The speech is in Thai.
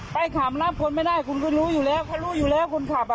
ไปขามรับคนไม่ได้คนรู้อยู่แล้วคนรู้อยู่แล้วคนขับอ่ะ